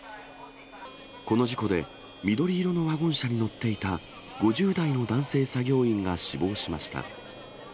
この事故で、緑色のワゴン車に乗っていた５０代の男性作業員が死亡しました。